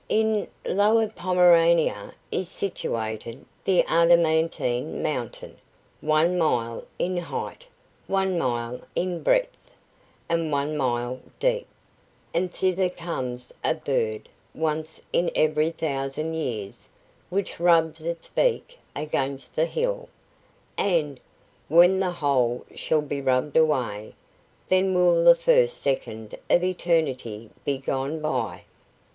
"In Lower Pomerania is situated the adamantine mountain, one mile in height, one mile in breadth, and one mile deep; and thither comes a bird once in every thousand years which rubs its beak against the hill, and, when the whole shall be rubbed away, then will the first second of eternity be gone by."